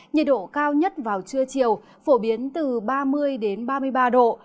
nhiệt độ cao nhất vào trưa chiều phổ biến từ ba mươi ba mươi ba độ